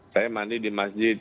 saya mandi di masjid